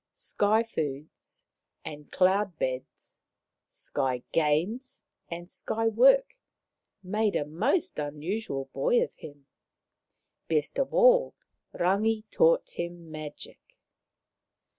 Sky foods and cloud beds, sky games and sky work, made a most unusual boy of him. Best of all, Rangi taught him magic.